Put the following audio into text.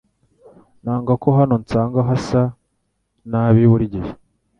Nanga ko hano nsanga hasa nabi buri gihe .